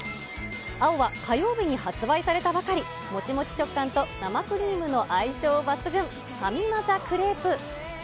青は火曜日に発売されたばかり、もちもち食感と生クリームの相性抜群、ファミマ・ザ・クレープ。